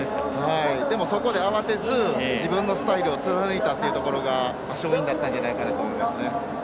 でも、そこで慌てず自分のスタイルを貫いたというところが勝因だったんじゃないかと思います。